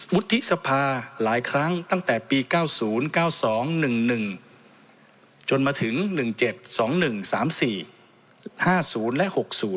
วุฒิสภาหลายครั้งตั้งแต่ปี๙๐๙๒๑๑จนมาถึง๑๗๒๑๓๔๕๐และ๖๐